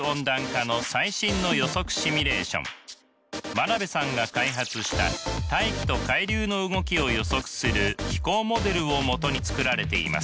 真鍋さんが開発した大気と海流の動きを予測する気候モデルを基に作られています。